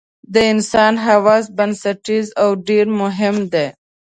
د انسان حواس بنسټیز او ډېر مهم دي.